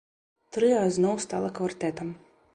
Трыа зноў стала квартэтам.